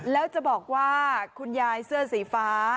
แล้วจะบอกว่าคุณยายเสื้อสีฟ้า